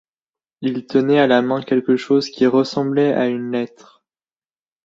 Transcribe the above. Il tenait à la main quelque chose qui ressemblait a une lettre.